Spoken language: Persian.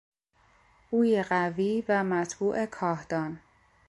بوی قوی و مطبوع کاهدان